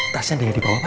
tasnya dengan di bawah pak